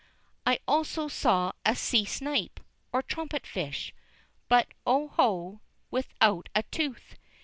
I also saw a sea snipe, or trumpet fish, but, oho, without a tooth!